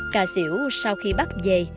cà xỉu sau khi bắt về